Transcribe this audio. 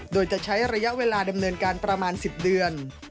โดยจะใช้ระยะเวลาดำเนินการประมาณ๑๐เดือน